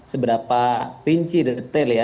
seberapa rinci detail